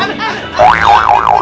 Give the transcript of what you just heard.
aduh aduh aduh aduh